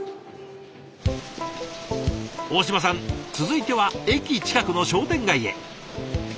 大嶋さん続いては駅近くの商店街へ。